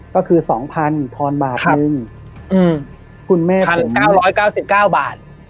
ก็คือสองพันทอนบาทนึงอืมคุณแม่๑๙๙๙บาท